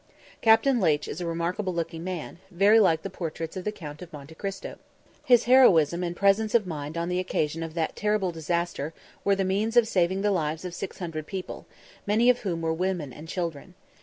Captain Leitch is a remarkable looking man, very like the portraits of the Count of Monte Christo. His heroism and presence of mind on the occasion of that terrible disaster were the means of saving the lives of six hundred people, many of whom were women and children.